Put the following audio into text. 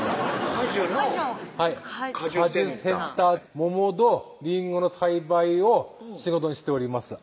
かづの果樹センター桃とりんごの栽培を仕事にしております